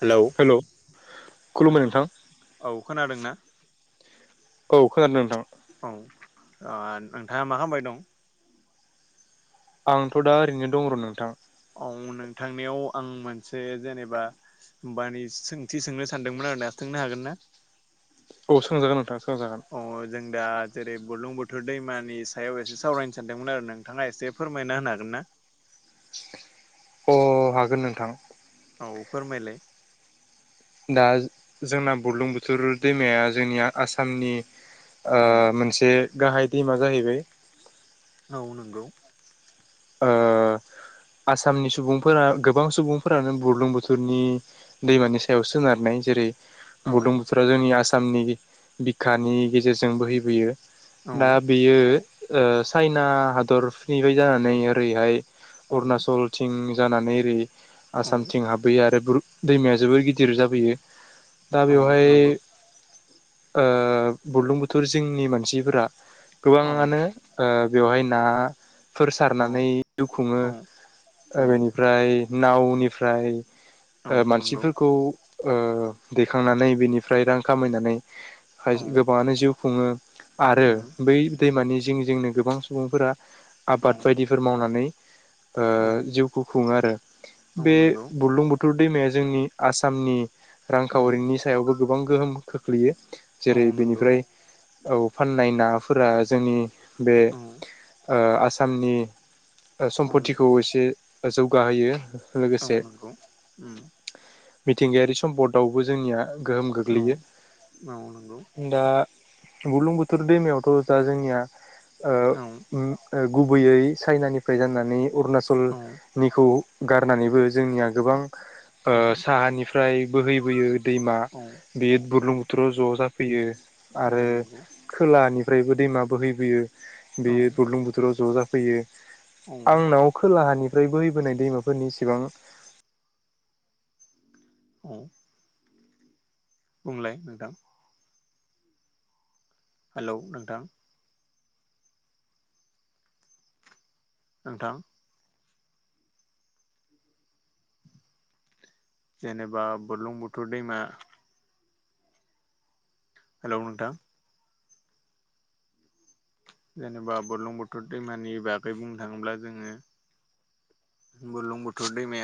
Hello खुलुमबाय नोंथां औ खोनादों ना? औ खोनादों नोंथां। औ ओ नोंथाङा मा खालामबाय दं? आंथ' दा ओरैनो दं र' नोंथां। औ नोंथांनियाव आं मोनसे जेनेबा बानि सोंथि सोंनो सानदोंमोन‌ आ रो सोंनो हागोन ना? औ सोंजागोन नोंथां सों अ जों दा जेरै बुरलुं बोथोर दैमानि सायाव एसे सावरायनो सानदोंमोन आरो नोंथाङा एसे फोरमायना होनो हागोन ना? अ हागोन नोंथां। औ फोरमायलाय दा जोंना बुरलुंबुथुर दैमाया जोंनि आसामनि ओ औ मोनसे गाहाय मा जाहैबाय। औ‌ नंगौ ओ आसामनि सुबुंफोरा गोबां सुबुंफोरानो बुरलुंबुथोरनि दैमानि सायाव सोनारनाय जेरै औ बुरलुंबुथुरा जोंनि आसामनि बिखानि गेजेरजों बोहैबोयो। औ दा बेयो चाइना हादरनिफ्राय जानानै ओरैहाय औ अरुणाचलथिं जानानै ओरै औ आसामथिं हाबहैयो आरो दैमाया जोबोर गिदिर जाबोयो दा औ बेवहाय नंगौ ओ बुरलुंबुथोर जिंनि मानसिफोरा औ गोबाङानो बेवहाय नाफोर औ सारनानै जिउ खुङो औ औ ओ बेनिफ्राय नावनिफ्राय औ ओ नंगौ मानसिफोरखौ ओ दैखांनानै बिनिफ्राय रां खामायनानै औ गोबाङानो जिउ खुङो। आरो औ बै दैमानि जिं जिंनो गोबां सुबुंफोरा आबाद बायदिफोर मावनानै ओ औ औ जिउखौ खुङो आरो। बे नंगौ बुरलुंबु थुर दैमाया जोंनि आसामनि औ रांखावरिनि सायावबो गोबां गोहोम खोख्लैयो। जेरै औ नंगौ बेनिफ्राय औ फाननाय नाफोरा जोंनि बे औ ओ आसामनि ओ औ सम्पतिखौ एसे जौगाहोयो। औ लोगोसे नंगौ उम मिथिंगायारि सम्पदावबो जोंनिया गोहोम औ गोग्लैयो। औ नंगौ दा बुरलुंबुथोर दैमायावथ' दा जोंनिया ओ औ उम ओ गुबैयै चाइनानिफ्राय जानानै औ अरुणाचलनिखौ गारनानैबो जोंनिया गोबां ओ औ साहानिफ्राय बोहैबोयो। दैमा औ बे बुरलुंबुथुराव ज' जाफैयो औ आरो नंगौ खोलानि फ्रायबो दैम बोहैबोयो औ बेयो बुरलुं बुथोराव ज' जाफैयो। औ आंनाव खोलाहानि फ्राय बोहैबोनाय दैमाफोरनि इसिबां औ। बुंलाय नोंथां हेलौ नोंथां नोंथां जेनेबा बलुंबुथुर दैमा हेल' नोंथां जेनेबा बुलुंबुथुर दैमानि बागै बुंनो थाङोब्ला जोङो बुरलुंबुथुर दैमाया